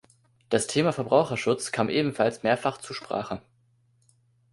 Das Thema Verbraucherschutz kam ebenfalls mehrfach zu Sprache.